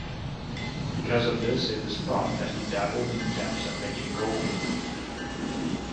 Because of this it is thought that he dabbled in attempts at making gold.